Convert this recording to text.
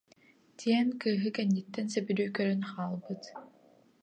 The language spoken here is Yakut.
диэн кыыһы кэнниттэн сөбүлүү көрөн хаалбыт